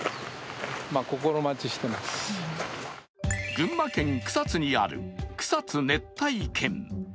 群馬県草津にある草津熱帯圏。